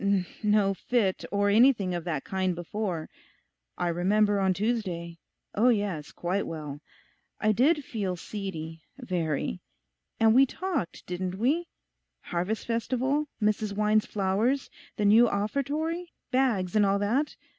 no fit, or anything of that kind before. I remember on Tuesday... oh yes, quite well. I did feel seedy, very. And we talked, didn't we?—Harvest Festival, Mrs Wine's flowers, the new offertory bags, and all that.